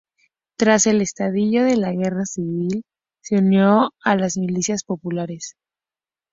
Tras el estallido de la Guerra civil se unió a las milicias populares.